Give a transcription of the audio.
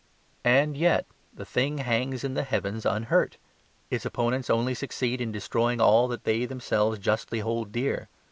And yet the thing hangs in the heavens unhurt. Its opponents only succeed in destroying all that they themselves justly hold dear.